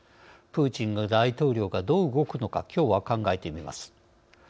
プーチン大統領がどう動くのかきょうは考えてみます。